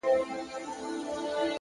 o نوره گډا مه كوه مړ به مي كړې؛